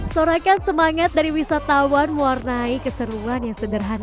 sorakan semangat dari wisatawan mewarnai keseruan yang sederhana